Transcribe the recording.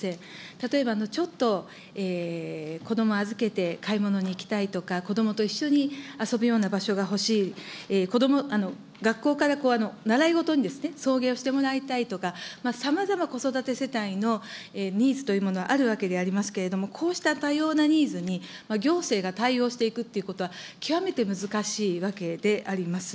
例えば、ちょっとこども預けて買い物に行きたいとか、子どもと一緒に遊ぶような場所が欲しい、学校から習い事に送迎をしてもらいたいとか、さまざま子育て世帯のニーズというものあるわけでありますけれども、こうした多様なニーズに、行政が対応していくっていうことは極めて難しいわけであります。